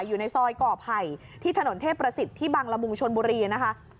อยู่ในซอยก่อไผ่ที่ถนนเทพประสิทธิ์ที่บังละมุงชนบุรีนะคะ